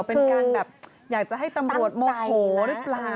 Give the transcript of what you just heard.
เป็นการแบบอยากจะให้ตำรวจโมโหหรือเปล่า